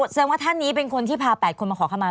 แสดงว่าท่านนี้เป็นคนที่พา๘คนมาขอขมา